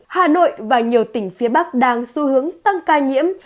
hà nội và nhiều tỉnh phía bắc đang xu hướng tăng ca nhiễm